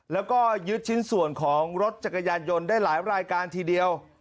แล้วก็ยึดชิ้นส่วนของรถจักรยานยนต์ได้หลายรายการทีเดียว